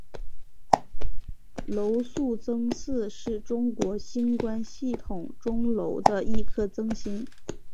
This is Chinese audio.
娄宿增四是中国星官系统中娄的一颗增星。